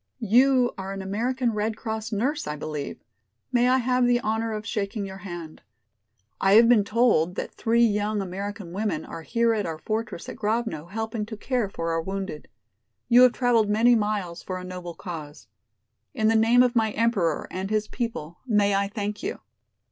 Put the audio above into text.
"You are an American Red Cross nurse, I believe. May I have the honor of shaking your hand. I have been told that three young American women are here at our fortress at Grovno helping to care for our wounded. You have traveled many miles for a noble cause. In the name of my Emperor and his people may I thank you."